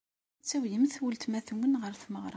Ad d-tawyemt weltma-twent ɣer tmeɣra.